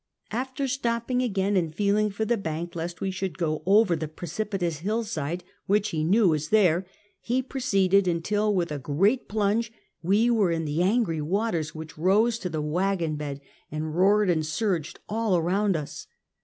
After stopping again and feeling for tlie bank, lest we should go over the precipitous hillside, which he knew was there, he pro ceeded until, with a great plunge, we were in the an gry waters, which arose to the wagon bed, and roared and surged all around us.